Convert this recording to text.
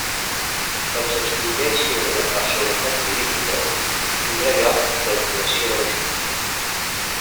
Quan s'extingeixi la personalitat jurídica, tindrà lloc la liquidació de la Junta.